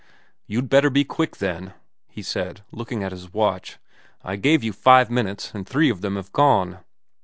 ' You'd better be quick then,' he said, looking at his watch. ' I gave you five minutes, and three of them have gone.'